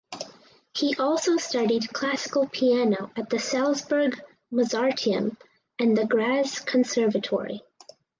He also studied classical piano at the Salzburg Mozarteum and the Graz Conservatory.